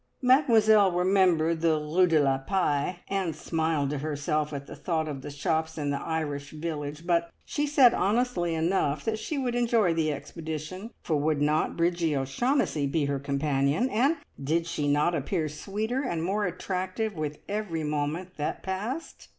Mademoiselle remembered the Rue de la Paix, and smiled to herself at the thought of the shops in the Irish village, but she said honestly enough that she would enjoy the expedition; for would not Bridgie O'Shaughnessy be her companion, and did she not appear sweeter and more attractive with every moment that passed?